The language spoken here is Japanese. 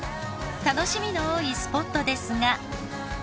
楽しみの多いスポットですが。